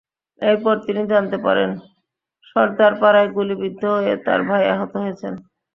এরপর তিনি জানতে পারেন, সরদারপাড়ায় গুলিবিদ্ধ হয়ে তাঁর ভাই আহত হয়েছেন।